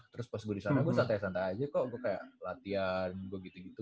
terus pas gua di sana gua santai santai aja kok gua kayak latihan gua gitu gitu